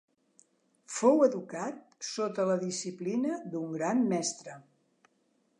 Fou educat sota la disciplina d'un gran mestre.